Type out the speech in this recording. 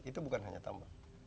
itu bukan hanya tambang